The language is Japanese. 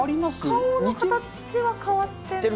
顔の形は変わって。